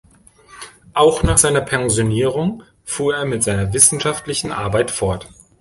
Auch nach seiner Pensionierung fuhr er mit seiner wissenschaftlichen Arbeit fort.